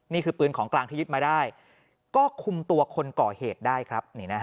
นี่คือปืนของกลางที่ยึดมาได้ก็คุมตัวคนก่อเหตุได้ครับ